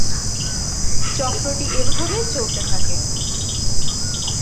চক্রটি এভাবে চলতে থাকে।